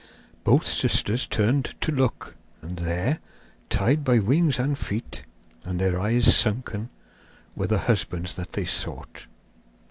But sisters turned to look, and there, tied by wings and feet, and their eyes sunken, were the husbands that they sought.